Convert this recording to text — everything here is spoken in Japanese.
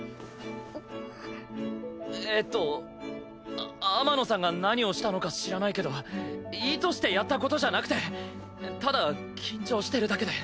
えっと天野さんが何をしたのか知らないけど意図してやった事じゃなくてただ緊張してるだけで。